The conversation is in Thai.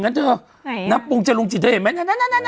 นั่นเธอไหนน้ำปรุงจรุงจิตเธอเห็นไหมนั่นนั่นนั่นนั่น